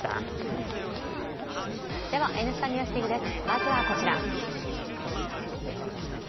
では「Ｎスタ・ＮＥＷＳＤＩＧ」です。